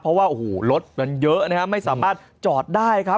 เพราะว่าโอ้โหรถมันเยอะนะครับไม่สามารถจอดได้ครับ